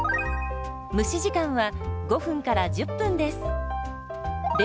蒸し時間は５１０分です。